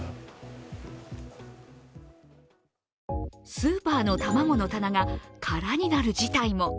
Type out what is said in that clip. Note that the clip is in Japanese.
スーパーの卵の棚が空になる事態も。